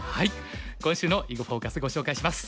今週の「囲碁フォーカス」ご紹介します。